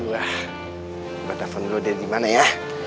gue telfon dulu dari dimana ya